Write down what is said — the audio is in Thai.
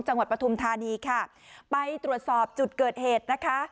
ปฐุมธานีค่ะไปตรวจสอบจุดเกิดเหตุนะคะ